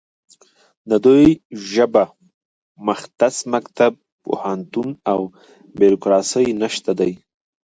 د دوی په ژبه مختص مکتب، پوهنتون او بیرکراسي نشته دی